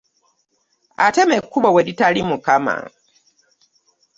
Atema ekkubo we litali Mukama.